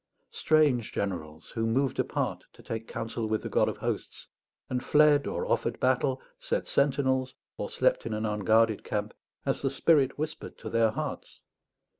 Strange generals, who moved apart to take counsel with the God of Hosts, and fled or offered battle, set sentinels or slept in an unguarded camp, as the Spirit whispered to their hearts!